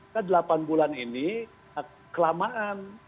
kan delapan bulan ini kelamaan